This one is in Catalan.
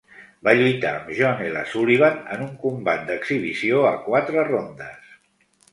Va lluitar amb John L. Sullivan en un combat d'exhibició a quatre rondes.